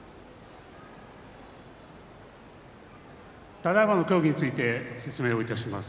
ただいまの協議について説明をいたします。